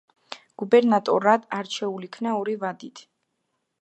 გუბერნატორად არჩეულ იქნა ორი ვადით.